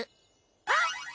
あっ！